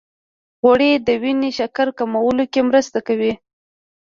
غوړې د وینې شکر کمولو کې مرسته کوي.